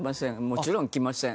もちろん来ません。